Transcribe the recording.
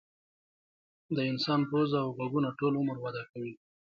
د انسان پوزه او غوږونه ټول عمر وده کوي.